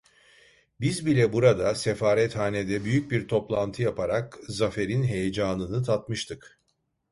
Biz bile burada, sefarethanede büyük bir toplantı yaparak zaferin heyecanını tatmıştık.